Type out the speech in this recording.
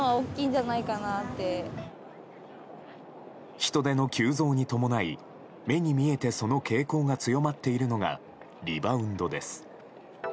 人出の急増に伴い目に見えてその傾向が強まっているのがリバウンドです。